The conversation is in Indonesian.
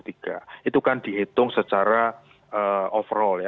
itu kan dihitung secara overall ya